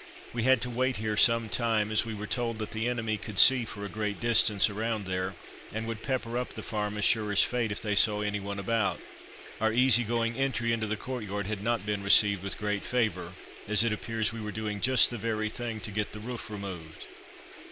We had to wait here some time, as we were told that the enemy could see for a great distance around there, and would pepper up the farm as sure as fate if they saw anyone about. Our easy going entry into the courtyard had not been received with great favour, as it appeared we were doing just the very thing to get the roof removed.